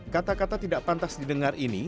kata kata tidak pantas didengar ini